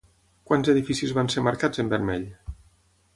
Quants edificis van ser marcats en vermell?